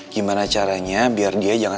gimana caranya biar dia jangan